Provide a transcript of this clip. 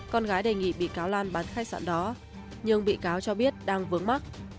con gái đề nghị bị cáo lan bán khách sạn đó nhưng bị cáo cho biết đang vướng mắt